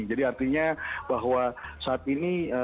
jadi artinya bahwa saat ini